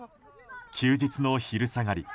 休日の昼下がり